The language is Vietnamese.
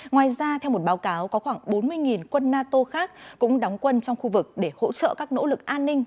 ngoài ra theo một báo cáo có khoảng bốn mươi quân nato khác cũng đóng quân trong khu vực để hỗ trợ các nỗ lực an ninh